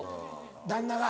旦那が。